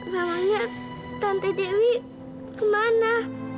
namanya tante dewi kemana